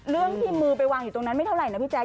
เรื่องที่มือไปวางอยู่ตรงนั้นไม่เท่าไหร่นะพี่แจ๊